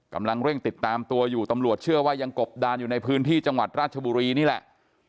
กำลังเร่งติดตามตัวอยู่ตำรวจเชื่อว่ายังกบดานอยู่ในพื้นที่จังหวัดราชบุรีนี่แหละ